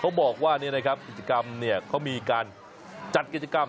เขาบอกว่ากิจกรรมเขามีการจัดกิจกรรม